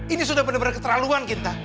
ini sudah bener bener keterlaluan kinta